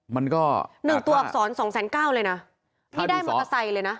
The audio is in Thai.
มันก็๑ตัวอักษร๒๙๐๐๐๐๐เลยนะ